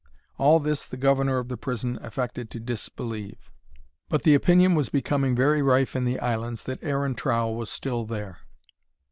All this the governor of the prison affected to disbelieve, but the opinion was becoming very rife in the islands that Aaron Trow was still there.